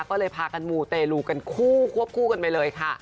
ก็เลยพากันมูเตลูกันคู่ควบคู่กันไปเลยค่ะ